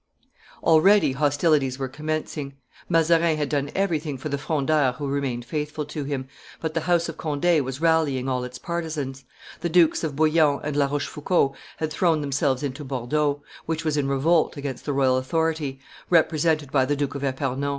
Already hostilities were commencing; Mazarin had done everything for the Frondeurs who remained faithful to him, but the house of Conde was rallying all its partisans; the Dukes of Bouillon and La Rochefoucauld had thrown themselves into Bordeaux, which was in revolt against the royal authority, represented by the Duke of Epernon.